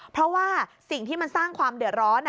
เพราะว่าสิ่งที่มันสร้างความเดือดร้อน